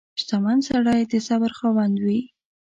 • شتمن سړی د صبر خاوند وي.